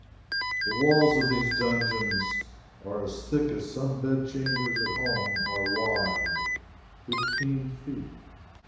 The walls of these dungeons are as thick as some bed chambers at home are wide fifteen feet.